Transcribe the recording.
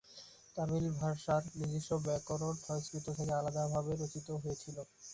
তামিল ভাষার নিজস্ব ব্যাকরণ সংস্কৃত থেকে আলাদাভাবে রচিত হয়েছিল।